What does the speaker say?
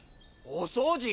おそうじ